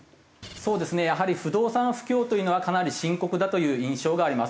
そうですねやはり不動産不況というのはかなり深刻だという印象があります。